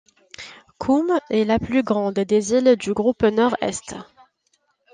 Koome est la plus grande des îles du groupe nord-est.